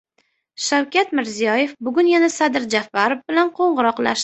Shavkat Mirziyoyev bugun yana Sadir Japarov bilan qo‘ng‘iroqlashdi